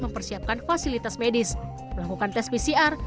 mempersiapkan fasilitas medis melakukan tes pcr